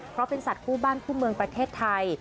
เพราะเป็นสัตว์คู่บ้านคู่เมืองประเทศไทย